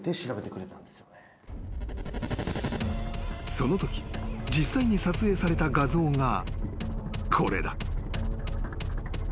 ［そのとき実際に撮影された画像がこれだ］